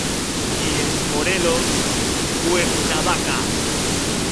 Y en Morelos, Cuernavaca.